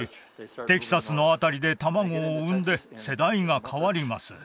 テキサスの辺りで卵を産んで世代が代わります